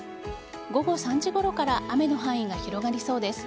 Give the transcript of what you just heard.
午後３時ごろから雨の範囲が広がりそうです。